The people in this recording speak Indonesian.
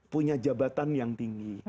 punya jabatan yang tinggi